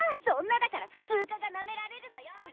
そんなだから普通科がなめられるのよ！